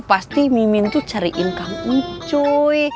pasti mimin tuh cariin kang uncuy